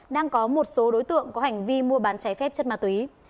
đang có một số đối tượng có hành vi mua bán trái phép chất ma túy